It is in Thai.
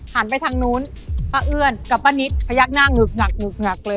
หันไปทางนู้นป้าเอื้อนกับป้านิตพยักหน้าหงึกหงักหึกหงักเลย